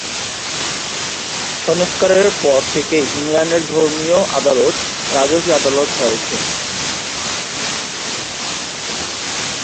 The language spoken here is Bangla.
সংস্কারের পর থেকেই ইংল্যান্ডের ধর্মীয় আদালত, রাজকীয় আদালত হয়েছে।